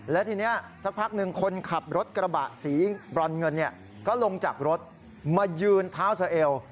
และทีนี้สักพักหนึ่งคนขับรถกระบะสีบรอนเงินก็ลงจากรถมายืนเท้าสะเอว